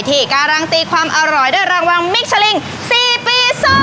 ที่การังตีความอร่อยด้วยรางวังมิคชาลิงสี่ปีสอง